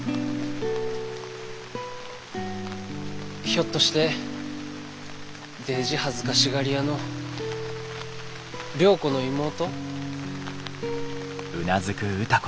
ひょっとしてデージ恥ずかしがり屋の良子の妹？